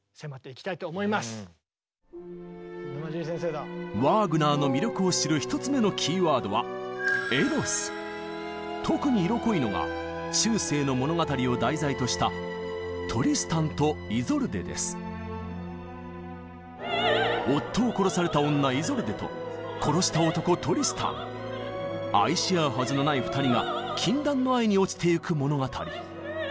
これはワーグナーの魅力を知る１つ目のキーワードは特に色濃いのが中世の物語を題材とした「夫を殺された女イゾルデ」と「殺した男トリスタン」愛し合うはずのない２人が禁断の愛におちてゆく物語。